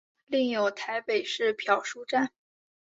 另有台北市漂书站。